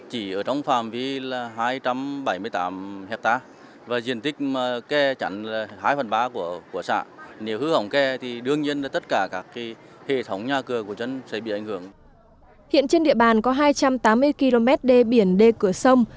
hiện trên địa bàn có hai trăm tám mươi km đê biển đê cửa sông